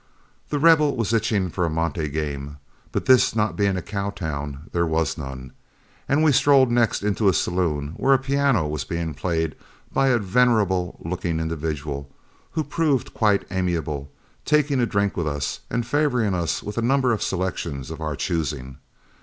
The Rebel was itching for a monte game, but this not being a cow town there was none, and we strolled next into a saloon, where a piano was being played by a venerable looking individual, who proved quite amiable, taking a drink with us and favoring us with a number of selections of our choosing.